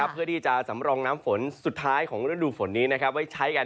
เพื่อที่จะสำรองน้ำฝนสุดท้ายของฤดูฝนนี้ไว้ใช้กัน